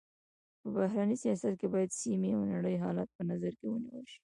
په بهرني سیاست کي باید سيمي او نړۍ حالت په نظر کي ونیول سي.